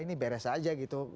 ini beres saja gitu